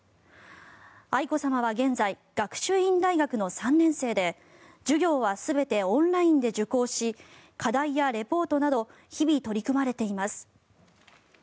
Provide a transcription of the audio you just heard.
愛子さまは現在、学習院大学の３年生で授業は全てオンラインで受講し課題やリポートなど日々、取り組まれています。